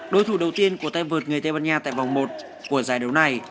đối thủ đầu tiên của tay vợt người tây ban nha tại vòng một của giải đấu này